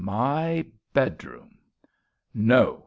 My bedroom. No.